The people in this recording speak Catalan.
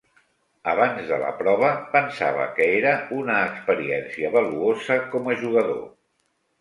Abans de la prova, pensava que era una experiència valuosa com a jugador.